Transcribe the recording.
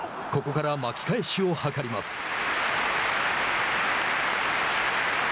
ここから巻き返しを図ります。